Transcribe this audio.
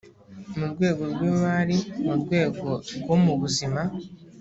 mu rwego rw imari mu rwego rwo mubuzima